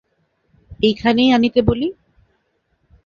এইখানেই আনিতে বলি?